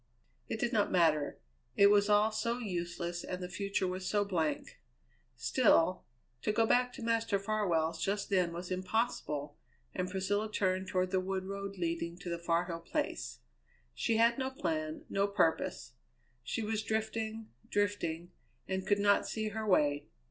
It did not matter. It was all so useless, and the future was so blank. Still, to go back to Master Farwell's just then was impossible, and Priscilla turned toward the wood road leading to the Far Hill Place. She had no plan, no purpose. She was drifting, drifting, and could not see her way.